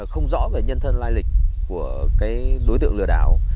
không rõ về nhân thân lai lịch của cái đối tượng lừa đảo